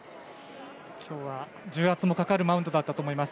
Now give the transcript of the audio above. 今日は、重圧もかかるマウンドだったと思います。